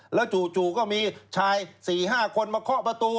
แล้วจู่ก็มีชาย๔๕คนมาเคาะประตู